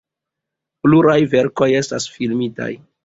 Pluraj verkoj estas filmitaj.